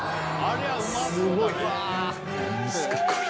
何すかこれ。